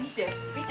見て！